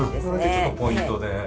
ちょっとポイントで。